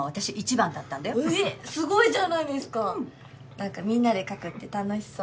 なんかみんなで描くって楽しそう。